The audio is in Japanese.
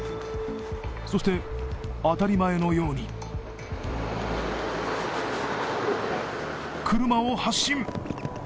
そして、当たり前のように車を発進。